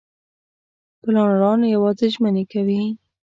پلانران یوازې ژمنې کوي.